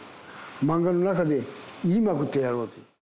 漫画の中で言いまくってやろうって。